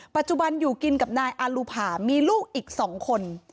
ปัจจุบันอยู่กินกับนายอาลูภามีลูกอีก๒คน